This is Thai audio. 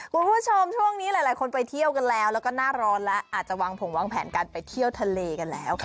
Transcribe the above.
คุณผู้ชมช่วงนี้หลายคนไปเที่ยวกันแล้วแล้วก็หน้าร้อนแล้วอาจจะวางผงวางแผนการไปเที่ยวทะเลกันแล้ว